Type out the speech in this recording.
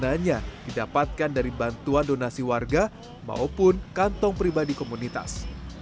dananya didapatkan dari bantuan donasi warga maupun kantong pribadi komunitas